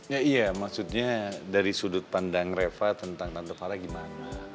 ya iya maksudnya dari sudut pandang reva tentang tante fala gimana